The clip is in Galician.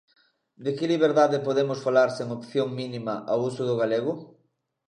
¿De que liberdade podemos falar sen opción mínima ao uso do galego?